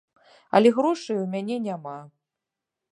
Але грошай у мяне няма.